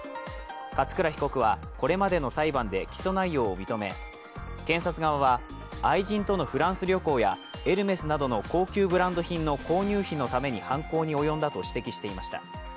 勝倉被告は、これまでの裁判で起訴内容を認め、検察側は愛人とのフランス旅行やエルメスなどの高級ブランド品の購入費のために犯行に及んだと指摘していました。